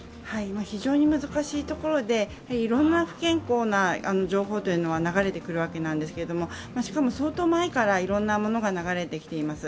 非常に難しいところでいろんな不健康な情報というのは流れてくるわけなんですけれどもしかも相当前からいろんなものが流れてきています。